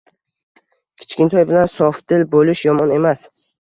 Kichkintoy bilan sofdil bo‘lish – yomon emas.